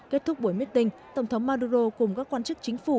kết thúc buổi miết tinh tổng thống maduro cùng các quan chức chính phủ